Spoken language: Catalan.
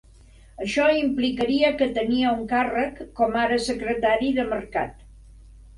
Això implicaria que tenia un càrrec com ara secretari de mercat.